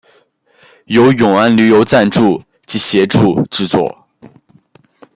由永安旅游赞助及协助制作。